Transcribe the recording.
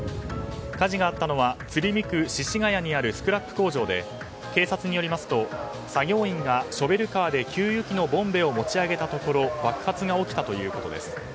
火事があったのは鶴見区獅子ヶ谷にあるスクラップ工場で警察によりますと作業員がショベルカーで給油機のボンベを持ち上げたところ爆発が起きたということです。